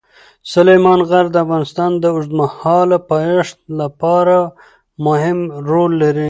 سلیمان غر د افغانستان د اوږدمهاله پایښت لپاره مهم رول لري.